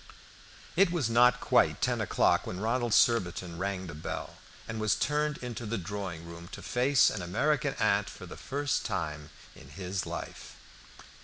It was not quite ten o'clock when Ronald Surbiton rang the bell, and was turned into the drawing room to face an American aunt for the first time in his life.